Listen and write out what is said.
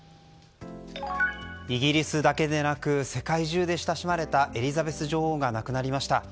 イギリスだけでなく世界中で親しまれたエリザベス女王が亡くなりました。